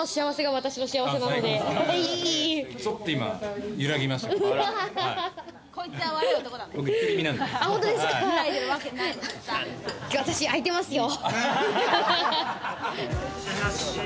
私、空いてますよ。